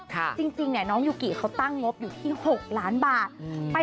จริงเนี่ยน้องยูกิเขาตั้งงบอยู่ที่๖ล้านบาท